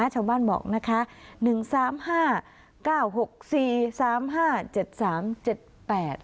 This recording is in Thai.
ชาวบ้านบอกนะคะหนึ่งสามห้าเก้าหกสี่สามห้าเจ็ดสามเจ็ดแปด